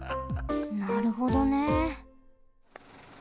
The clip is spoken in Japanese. なるほどね。